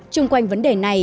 trung quanh vấn đề này